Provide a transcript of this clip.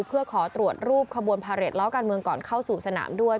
เพื่อขอตรวจรูปขบวนพาเรทล้อการเมืองก่อนเข้าสู่สนามด้วย